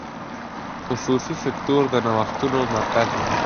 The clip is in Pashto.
خصوصي سکتور د نوښتونو مرکز دی.